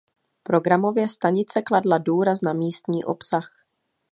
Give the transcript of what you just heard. Programově stanice kladla důraz na místní obsah.